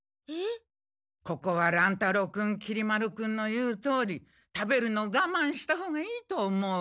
ここは乱太郎君きり丸君の言うとおり食べるのがまんしたほうがいいと思う。